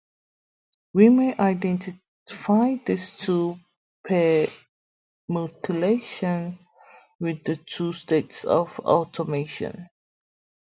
We may identify these two permutations with the two states of the automaton.